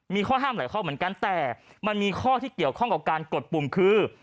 มีข้อห้ามหลายข้อเหมือนกันแต่มันมีข้อที่เกี่ยวข้องกับการกดปุ่มคือ